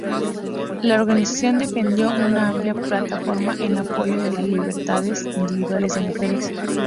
La organización defendió una amplia plataforma en apoyo de las libertades individuales de mujeres.